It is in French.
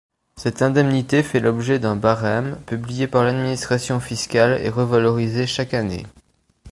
Cette indemnité fait l'objet d'un barème publié par l'administration fiscale et revalorisé chaque année.